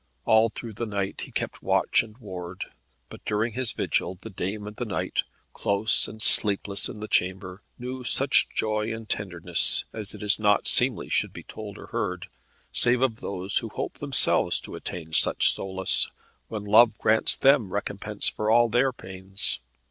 All through the night he kept watch and ward. But during his vigil the dame and the knight, close and sleepless in the chamber, knew such joy and tenderness as it is not seemly should be told or heard, save of those who hope themselves to attain such solace, when Love grants them recompense for all their pains.